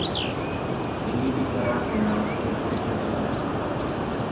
Nyní bych rád vyjádřil několik myšlenek.